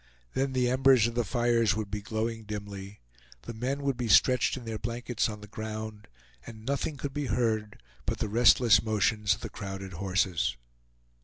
Then the embers of the fires would be glowing dimly, the men would be stretched in their blankets on the ground, and nothing could be heard but the restless motions of the crowded horses.